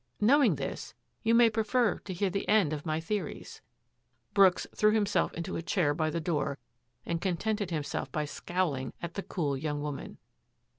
Knowing this,, you may prefer to hear the end of my theories —" Brooks threw himself into a chair by the door and contented himself by scowling at the cool young woman.